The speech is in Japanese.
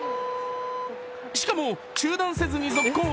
しかも、中断せずに続行。